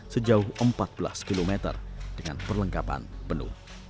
sejauh empat belas km dengan perlengkapan penuh